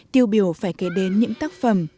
tiêu biểu phải kể đến những tác phẩm